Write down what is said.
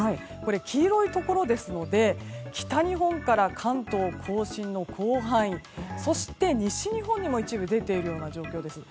黄色いところですので北日本から関東・甲信の広範囲そして、西日本にも一部出ているような状況です。